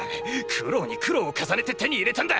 苦労に苦労を重ねて手に入れたんだ！